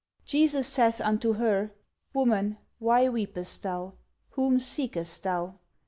"Jesus saith unto her, Woman, why weepest thou? whom seekest thou?